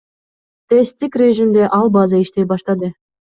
Тесттик режимде ал база иштей баштады.